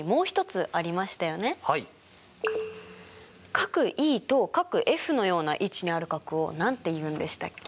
∠ｅと∠ｆのような位置にある角を何て言うんでしたっけ？